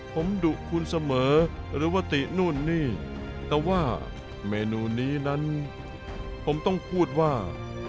เป็นไงด้วย